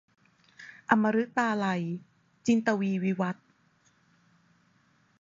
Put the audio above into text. อมฤตาลัย - จินตวีร์ วิวัธน์